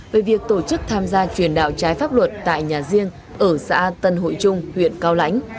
về việc tổ chức tham gia truyền đạo trái pháp luật tại nhà riêng ở xã tân hội trung huyện cao lãnh